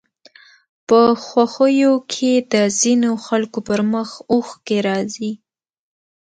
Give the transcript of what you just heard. په خوښيو کې د ځينو خلکو پر مخ اوښکې راځي